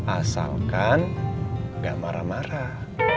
asalkan nggak marah marah